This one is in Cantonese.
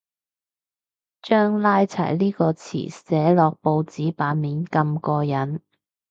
將拉柴呢個詞寫落報紙版面咁過癮